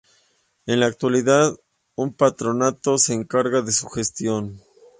En la actualidad un patronato se encarga de su gestión.